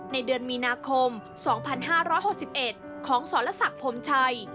ในเดือนมีนาคม๒๕๖๑ของสรศักดิ์พรมชัย